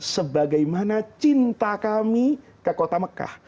sebagai mana cinta kami ke kota mekah